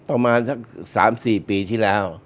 ประมาณสัก๓๔ปีที่แล้ว